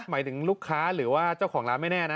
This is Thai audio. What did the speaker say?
หมายถึงลูกค้าหรือว่าเจ้าของร้านไม่แน่นะ